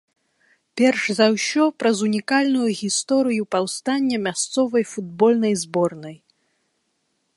Перш за ўсё, праз унікальную гісторыю паўстання мясцовай футбольнай зборнай.